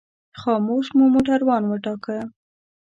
خاموش مو موټروان وټاکه.